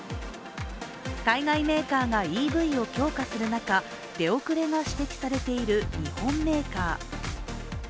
海外メーカーがＥＶを強化する中出遅れが指摘されている日本メーカー。